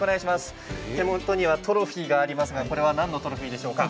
手元にはトロフィーがありますが何のトロフィーでしょうか。